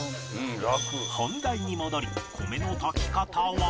本題に戻り米の炊き方は